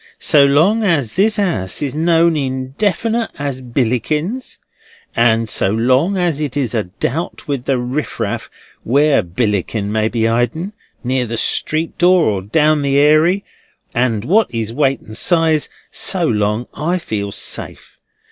So long as this 'ouse is known indefinite as Billickin's, and so long as it is a doubt with the riff raff where Billickin may be hidin', near the street door or down the airy, and what his weight and size, so long I feel safe.